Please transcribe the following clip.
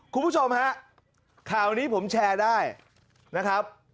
คุณผู้ชมฮะข่าวนี้ผมแชร์ได้นะครับ